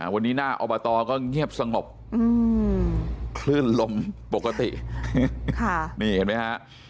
วันนี้หน้าอบตก็เงียบสงบคลื่นลมปกตินี่เห็นไหมฮะ